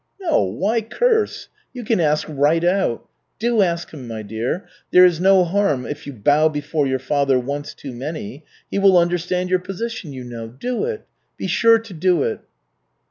"No, why curse? You can ask right out. Do ask him, my dear. There is no harm if you bow before your father once too many. He will understand your position, you know. Do it. Be sure to do it."